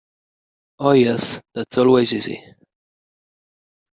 Oh, yes, that's always easy.